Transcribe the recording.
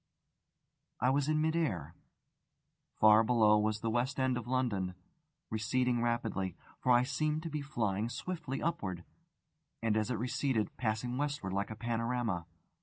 I was in mid air. Far below was the West End of London, receding rapidly, for I seemed to be flying swiftly upward, and as it receded, passing westward like a panorama.